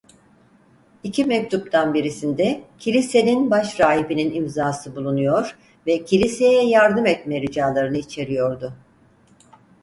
İki mektuptan birisinde Kilisenin başrahibinin imzası bulunuyor ve Kiliseye yardım etme ricalarını içeriyordu.